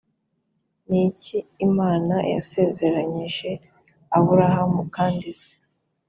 ni iki imana yasezeranyije aburahamu kandi se